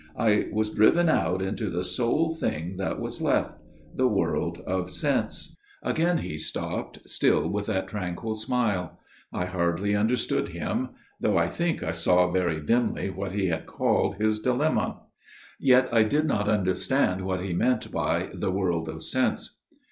I was driven out into the sole thing that was left the world of sense." Again he stopped, still with that tranquil smile. I hardly understood him ; though I think I saw very dimly what he had called his dilemma. Yet I did not understand what he meant by the " world of sense."